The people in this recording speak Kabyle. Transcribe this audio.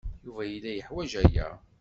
Yuba yella yeḥwaj aya.